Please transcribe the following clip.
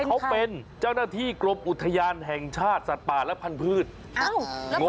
เขาเป็นเจ้าหน้าที่กรมอุทยานแห่งชาติสัตว์ป่าและพันธุ์